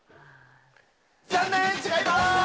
残念、違います。